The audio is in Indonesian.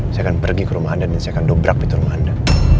saya akan pergi ke rumah anda dan saya akan dobrak pintu rumah anda